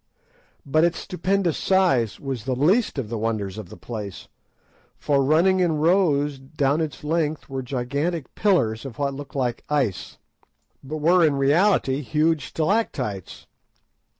But its stupendous size was the least of the wonders of the place, for running in rows adown its length were gigantic pillars of what looked like ice, but were, in reality, huge stalactites.